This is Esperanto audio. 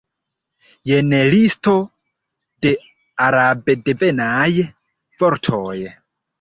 Jen listo de arabdevenaj vortoj.